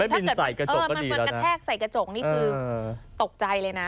ไม่บินใส่กระจกก็ดีแล้วนะเออมันกระแทกใส่กระจกนี่คือตกใจเลยนะ